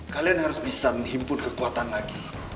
kalian harus bisa menghimpun kekuatan lagi